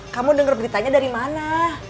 kamu denger beritanya dari mana